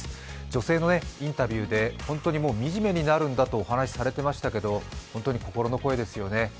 女性のインタビューで本当に惨めになるんだとお話しされていましたが本当に心の声ですよね。